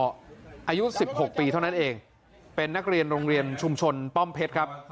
อายุ๑๖ปีเท่านั้นเองเป็นนักเรียนโรงเรียนชุมชนป้อมเพชรครับ